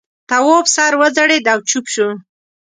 تواب سر وځړېد او چوپ شو.